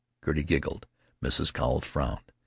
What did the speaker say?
Gertie giggled. Mrs. Cowles frowned.